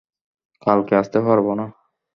কালকে আসতে পারব না।